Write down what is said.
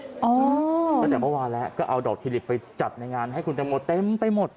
ตั้งแต่เมื่อวานแล้วก็เอาดอกทิลิปไปจัดในงานให้คุณตังโมเต็มไปหมด